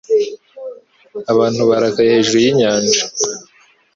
Abantu bararakaye hejuru y'inyanja